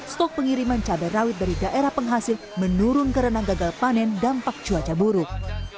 stok pengiriman cabai rawit dari daerah penghasil menurun karena gagal panen dampak cuaca buruk